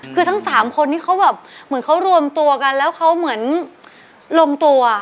คือทั้งสามคนนี้เขาแบบเหมือนเขารวมตัวกันแล้วเขาเหมือนลงตัว